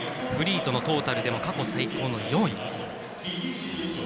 フリーとのトータルでは過去最高の４位。